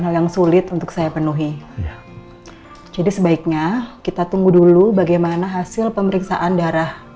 hal yang sulit untuk saya penuhi jadi sebaiknya kita tunggu dulu bagaimana hasil pemeriksaan darah